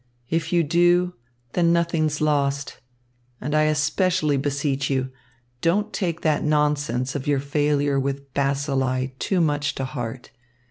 If you do, then nothing's lost. And I especially beseech you don't take that nonsense of your failure with bacilli too much to heart.